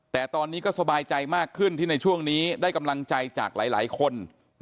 แต่ตอนนี้ก็สบายใจมากขึ้นที่ในช่วงนี้ได้กำลังใจจากหลายคน